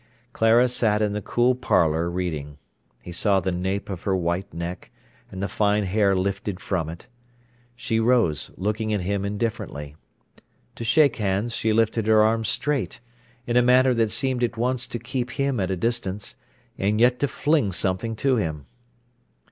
Clara sat in the cool parlour reading. He saw the nape of her white neck, and the fine hair lifted from it. She rose, looking at him indifferently. To shake hands she lifted her arm straight, in a manner that seemed at once to keep him at a distance, and yet to fling something to him.